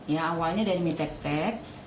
ya awalnya dari mie tek tek